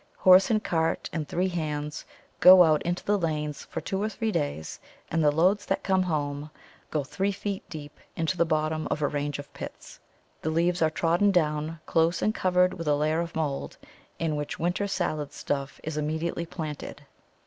Horse and cart and three hands go out into the lanes for two or three days, and the loads that come home go three feet deep into the bottom of a range of pits. The leaves are trodden down close and covered with a layer of mould, in which winter salad stuff is immediately planted.